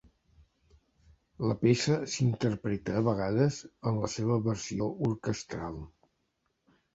La peça s'interpreta a vegades en la seva versió orquestral.